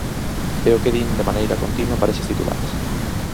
É o que din de maneira continua para eses titulares.